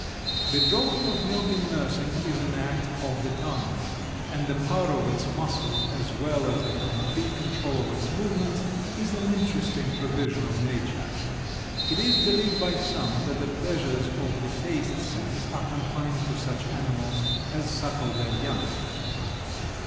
The drawing of milk in nursing is an act of the tongue, and the power of its muscles as well as the complete control of its movements is an interesting provision of nature. It is believed by some that the pleasures of the taste sense are confined to such animals as suckle their young.